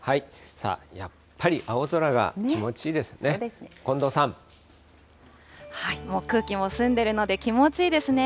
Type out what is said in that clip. さあ、やっぱり青空が気持ちいいですね。